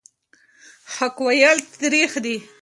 حق ویل تریخ دي.